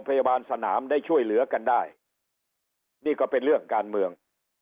พยาบาลสนามได้ช่วยเหลือกันได้นี่ก็เป็นเรื่องการเมือง